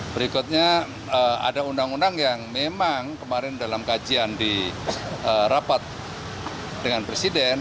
berikutnya ada undang undang yang memang kemarin dalam kajian di rapat dengan presiden